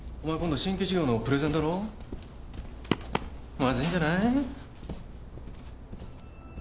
まずいんじゃない？